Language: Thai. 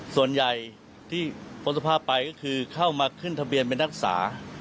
ส่วนใหญ่ที่พ้นสภาพไปก็คือเข้ามาขึ้นทะเบียนเป็นนักศึกษา